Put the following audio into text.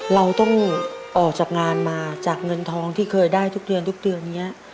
เราต้องออกจากงานมาจากเงินทองที่เคยได้ทุกเดือนทุกเดือนนี้